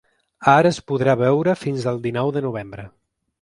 Ara es podrà veure fins el dinou de novembre.